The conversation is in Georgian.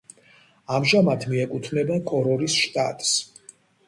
ამჟამად მიეკუთვნება კორორის შტატს.